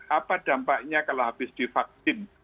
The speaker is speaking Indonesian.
apa dampaknya kalau habis divaksin